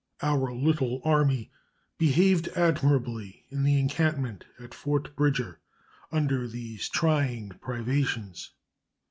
Our little army behaved admirably in their encampment at Fort Bridger under these trying privations.